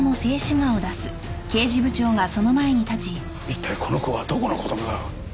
一体この子はどこの子供だ？